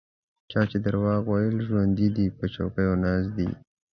چا چې دروغ ویل ژوندي دي په چوکیو ناست دي.